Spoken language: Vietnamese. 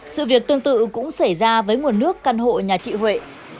sự việc tương tự cũng xảy ra với nguồn nước căn hộ nhà chị huệ